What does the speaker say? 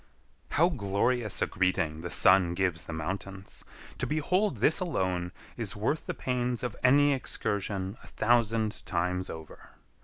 How glorious a greeting the sun gives the mountains! To behold this alone is worth the pains of any excursion a thousand times over.